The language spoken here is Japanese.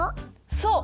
そう！